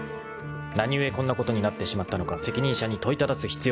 ［何故こんなことになってしまったのか責任者に問いただす必要がある］